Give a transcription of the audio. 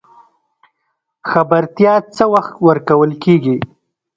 خبرتیا څه وخت ورکول کیږي؟